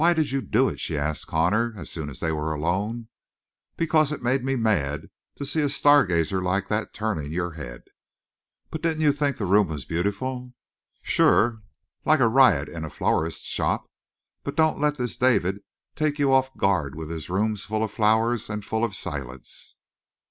"Why did you do it?" she asked Connor as soon as they were alone. "Because it made me mad to see a stargazer like that turning your head." "But didn't you think the room was beautiful?" "Sure. Like a riot in a florist's shop. But don't let this David take you off guard with his rooms full of flowers and full of silence."